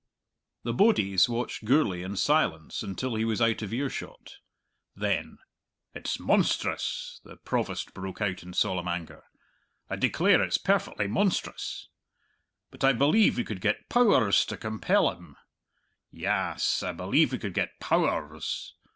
The bodies watched Gourlay in silence until he was out of earshot. Then, "It's monstrous!" the Provost broke out in solemn anger; "I declare it's perfectly monstrous! But I believe we could get Pow ers to compel him. Yass; I believe we could get Pow ers.